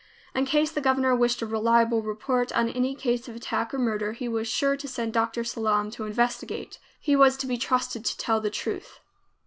In case the governor wished a reliable report on any case of attack or murder, he was sure to send Dr. Sallum to investigate. He was to be trusted to tell the truth.